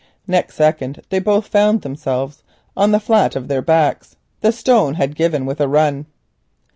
Next second they both found themselves on the flat of their backs. The stone had given with a run.